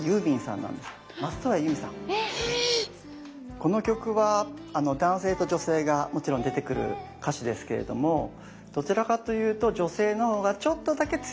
この曲は男性と女性がもちろん出てくる歌詞ですけれどもどちらかというと女性のほうがちょっとだけ強いかもしれない。